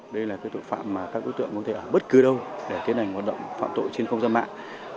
đây là tội phạm mà các đối tượng có thể ở bất cứ đâu để tiến hành hoạt động phạm tội trên không gian mạng